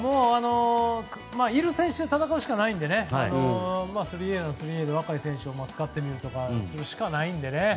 いる選手で戦うしかないので３Ａなら３Ａで若い選手を使ってみるとかしかないんでね。